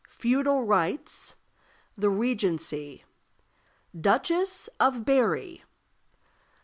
Feudal Rights. The Regency. Duchess of Berri.